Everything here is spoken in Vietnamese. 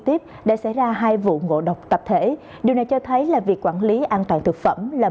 tiếp để xảy ra hai vụ ngộ độc tập thể điều này cho thấy là việc quản lý an toàn thực phẩm là